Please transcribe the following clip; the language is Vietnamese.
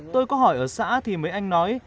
tôi có hỏi ở xã thì mấy anh nói